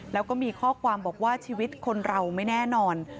แล้วก็มีข้อความบอกว่าชีวิตคนเราไม่แน่นอน